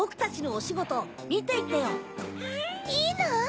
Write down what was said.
いいの？